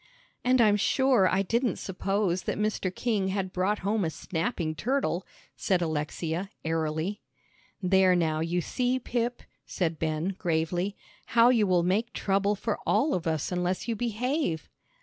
"And I'm sure I didn't suppose that Mr. King had brought home a snapping turtle," said Alexia, airily. "There now, you see, Pip," said Ben, gravely, "how you will make trouble for all of us unless you behave."